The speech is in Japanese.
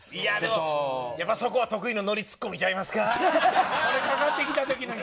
やっぱそこは得意のノリツッコミちゃいますか。